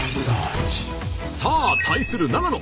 さあ対する長野。